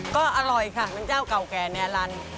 ก็อร่อยค่ะเป็นเจ้าเก่าแก่แนวรัน